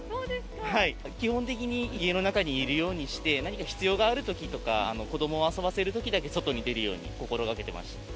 基本的に家の中にいるようにして、何か必要があるときとか、子どもを遊ばせるときだけ外に出るように心がけてました。